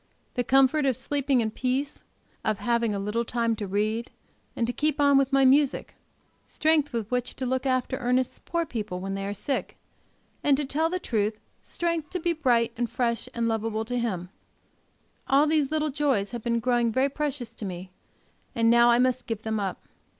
The comfort of sleeping in peace, of having a little time to read, and to keep on with my music; strength with which to look after Ernest's poor people when they are sick; and, to tell the truth, strength to be bright and fresh and lovable to him all these little joys have been growing very precious to me, and now I must give them up.